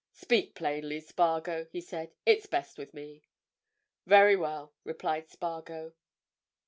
"Speak plainly, Spargo!" he said. "It's best with me." "Very well," replied Spargo.